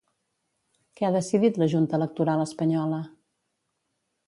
Què ha decidit la Junta Electoral espanyola?